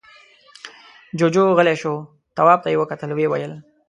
جُوجُو غلی شو. تواب ته يې وکتل، ويې ويل: